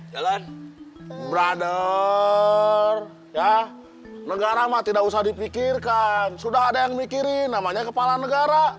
jalan brother ya negara mah tidak usah dipikirkan sudah ada yang mikirin namanya kepala negara